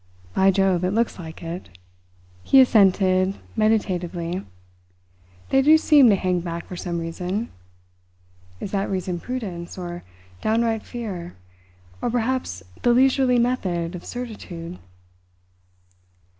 "By Jove, it looks like it," he assented meditatively. "They do seem to hang back for some reason. Is that reason prudence, or downright fear, or perhaps the leisurely method of certitude?"